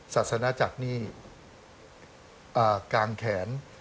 ศาสนาจักรนี่กางแขน